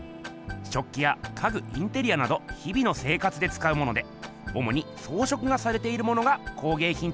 食器や家具インテリアなど日々の生活でつかうものでおもにそうしょくがされているものが工げいひんとよばれています。